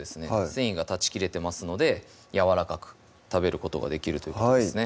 繊維が断ち切れてますので柔らかく食べることができるということですね